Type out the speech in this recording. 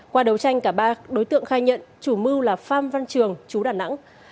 qua đấu tranh cả ba đối tượng khai nhận chủ mưu là phan văn trường chú đà nẵng